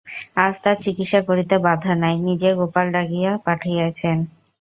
আজ তার চিকিৎসা করিতে বাঁধা নাই, নিজে গোপাল ডাকিয়া পাঠাইয়াছে।